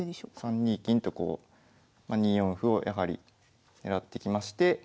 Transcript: ３二金とこう２四歩をやはり狙ってきまして。